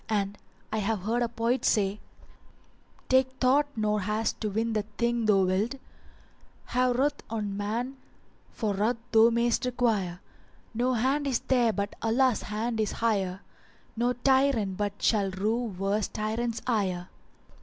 And I have heard a poet say:— Take thought nor haste to win the thing thou wilt; * Have ruth on man for ruth thou may'st require: No hand is there but Allah's hand is higher; * No tyrant but shall rue worse tyrant's ire!